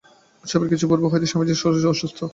উৎসবের কিছু পূর্ব হইতে স্বামীজীর শরীর অসুস্থ।